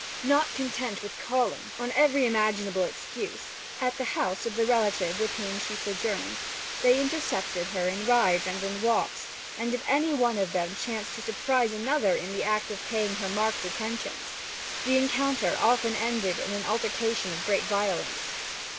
Not content with calling, on every imaginable excuse, at the house of the relative with whom she sojourned, they intercepted her in rides and in walks; and if any one of them chanced to surprise another in the act of paying her marked attentions, the encounter often ended in an altercation of great violence.